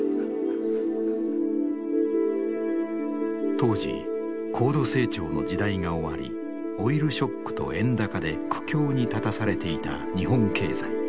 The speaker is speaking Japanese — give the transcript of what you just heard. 当時高度成長の時代が終わりオイルショックと円高で苦境に立たされていた日本経済。